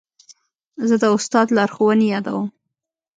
زه د استاد لارښوونې یادوم.